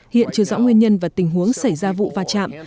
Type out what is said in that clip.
hiện chưa rõ nguyên nhân và tình huống xảy ra vụ va chạm